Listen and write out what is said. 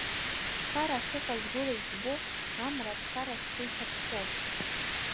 Схара ахьыҟаз гәыла избо, Амра аԥхара сгәы иҭаԥхо.